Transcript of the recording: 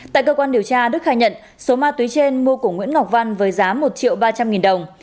tại cơ quan điều tra đức khai nhận số ma túy trên mua của nguyễn ngọc văn với giá một triệu ba trăm linh nghìn đồng